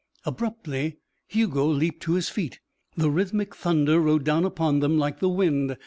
Abruptly Hugo leaped to his feet. The rhythmic thunder rode down upon them like the wind.